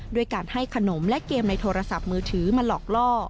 ด้วยการให้ขนมและเกมในโทรศัพท์มือถือมาหลอกล่อ